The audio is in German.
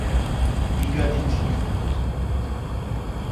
Liga den Tiefpunkt.